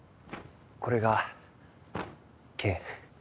これが「け」。